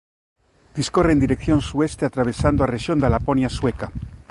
Discorre en dirección sueste atravesando a rexión da Laponia sueca.